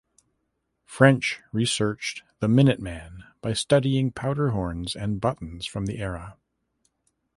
French researched "The Minute Man" by studying powder horns and buttons from the era.